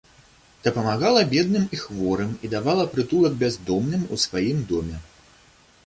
Дапамагала бедным і хворым і давала прытулак бяздомным у сваім доме.